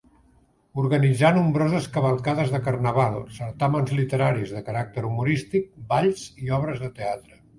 Organitzà nombroses cavalcades de Carnaval, certàmens literaris de caràcter humorístic, balls i obres de teatre.